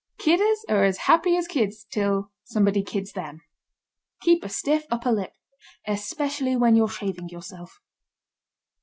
Kidders are as happy as kids till somebody kids them. Keep a stiff upper lip especially when you're shaving yourself.